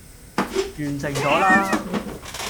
完成咗啦